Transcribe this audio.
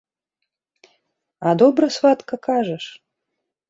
А добра, сватка, кажаш.